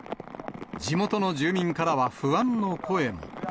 地元の住民からは不安の声も。